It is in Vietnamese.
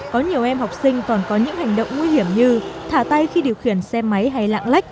có nhiều em học sinh còn có những hành động nguy hiểm như thả tay khi điều khiển xe máy hay lạng lách